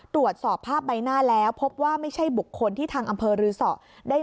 ตรวจสอบภาพใบหน้าแล้วพบว่าไม่ใช่บุคคลที่ทางอำเภอรือสอได้